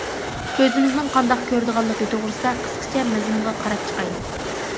كۆزىمىزنىڭ قانداق كۆرىدىغانلىقى توغرىسىدا قىسقىچە مەزمۇنغا قاراپ چىقايلى.